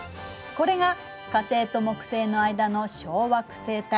これが火星と木星の間の小惑星帯。